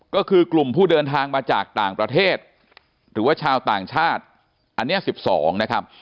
ก็คือกลุ่มผู้เดินทางมาจากต่างประเทศหรือว่าชาวต่างชาติอันนี้๑๒นะครับ